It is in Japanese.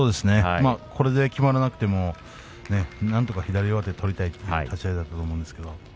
これで決まらなくてもなんとか左にいって左上手を取りたいという立ち合いだとと思います。